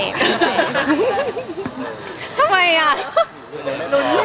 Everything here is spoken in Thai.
รุ้นมั่นแหลไงรุ้นว่าเอ้ย